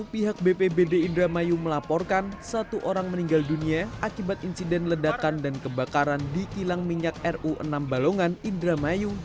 pihak pertamina menegaskan akan bertanggung jawab untuk menyediakan fasilitas bagi keluarga sambil menanti proses pemulihan para pasien